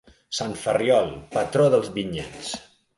Sant Ferriol, patró dels vinyets.